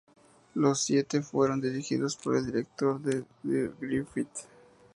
Los siete fueron dirigidos por el director D. W. Griffith.